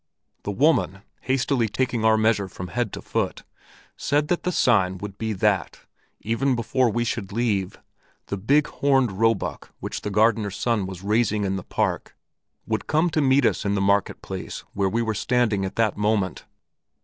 The woman, hastily taking our measure from head to foot, said that the sign would be that, even before we should leave, the big horned roebuck which the gardener's son was raising in the park, would come to meet us in the market place where we were standing at that moment.